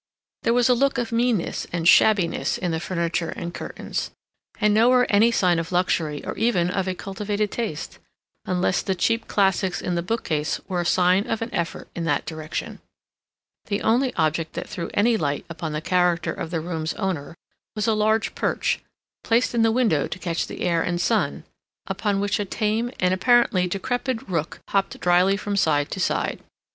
There was a look of meanness and shabbiness in the furniture and curtains, and nowhere any sign of luxury or even of a cultivated taste, unless the cheap classics in the book case were a sign of an effort in that direction. The only object that threw any light upon the character of the room's owner was a large perch, placed in the window to catch the air and sun, upon which a tame and, apparently, decrepit rook hopped dryly from side to side.